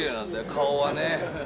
顔はね。